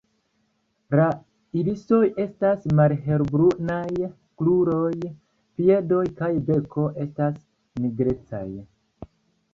La irisoj estas malhelbrunaj; kruroj, piedoj kaj beko estas nigrecaj.